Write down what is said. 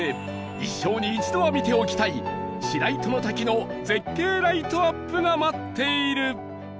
一生に一度は見ておきたい白糸の滝の絶景ライトアップが待っている